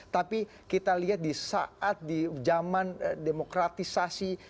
tapi kita lihat di saat di zaman demokratisasi